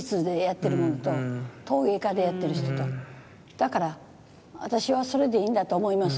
だから「私はそれでいいんだと思います」